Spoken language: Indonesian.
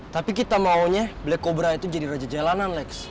tapi kita maunya black cobra itu jadi raja jalanan lex